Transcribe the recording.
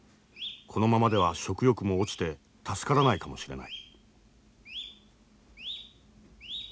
このままでは食欲も落ちて助からないかもしれない。